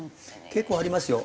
結構ありますよ。